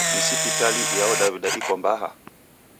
Ni sipitali iyao Daw'ida iko mbaha?